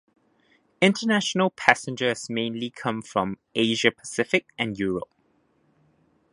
International passengers mainly come from Asia Pacific and Europe.